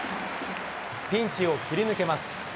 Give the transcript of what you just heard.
ピンチを切り抜けます。